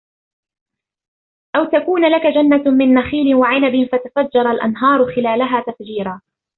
أو تكون لك جنة من نخيل وعنب فتفجر الأنهار خلالها تفجيرا